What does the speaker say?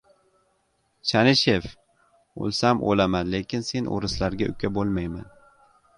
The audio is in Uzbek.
— Chanishev! O‘lsam o‘laman — lekin sen o‘rislarga uka bo‘lmayman!